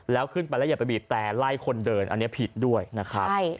แล้วขึ้นไปแล้วอย่าไปบีบแต่ไล่คนเดินอันนี้ผิดด้วยนะครับ